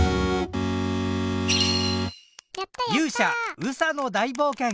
「勇者うさの大冒険」。